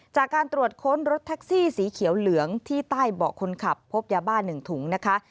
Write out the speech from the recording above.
จากการตรวจค้นรถแท็กซี่สีเขียวเหลืองที่ใต้เบาะคนขับพบยาบ้า๑ถุงนะคะ